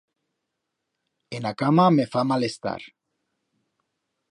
En a cama me fa mal estar.